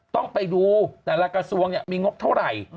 ต้องไปดูแต่ละกระทรวงมีงบเท่าไหร่